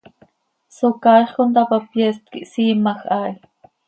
Socaaix conthapa, pyeest quih hsiimaj haa hi.